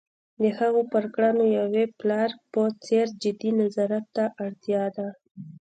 د هغوی پر کړنو یوې پلار په څېر جدي نظارت ته اړتیا ده.